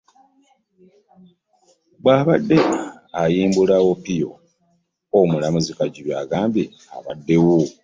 Bw'abadde ayimbula Opio, Omulamuzi Kajuga agambye ababaddewo